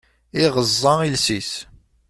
Iɣeẓẓa iles-is.